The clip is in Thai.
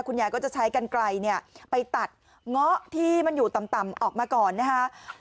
คุณยายก็จะใช้กันไกลเนี่ยไปตัดเงาะที่มันอยู่ต่ำออกมาก่อนนะคะ